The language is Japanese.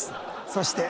そして。